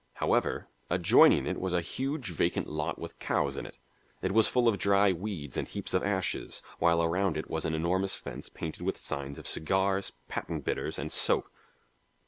However, adjoining it was a huge vacant lot with cows in it. It was full of dry weeds and heaps of ashes, while around it was an enormous fence painted with signs of cigars, patent bitters, and soap.